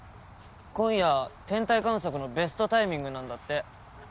今夜天体観測のベストタイミングなんだって